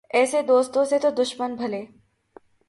ایسے دوستو سے تو دشمن بھلے